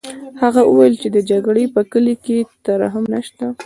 هغه وویل چې د جګړې په کلي کې ترحم نشته